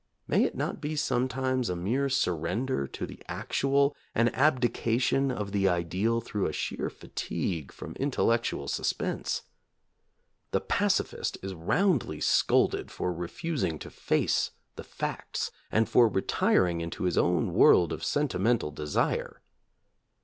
May it not be sometimes a mere surrender to the actual, an abdication of the ideal through a sheer fatigue from intellectual suspense? The pacifist is roundly scolded for refusing to face the facts, and for retiring into his own world of sentimental desire.